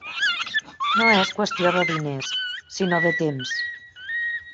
No és qüestió de diners, sinó de temps.